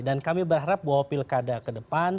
dan kami berharap bahwa pilkada ke depan